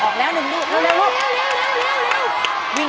ไป